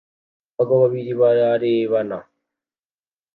Abagabo babiri bararebana